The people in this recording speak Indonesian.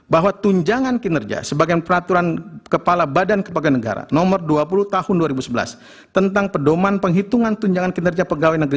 bahwa tunjangan kinerja sebagai peraturan kepala badan kepala negara nomor dua puluh tahun dua ribu sebelas tentang pedoman penghitungan tunjangan kinerja pegawai negeri